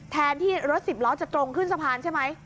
แทนที่รถสิบล้อจะตรงขึ้นสะพานใช่ไหม